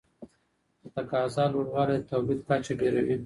د تقاضا لوړوالی د تولید کچه ډېروي.